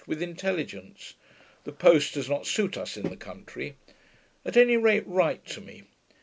] with intelligence; the post does not suit us in the country. At any rate write to me.